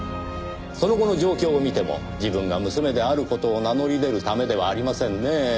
その後の状況を見ても自分が娘である事を名乗り出るためではありませんねえ。